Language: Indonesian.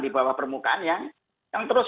di bawah permukaan yang terus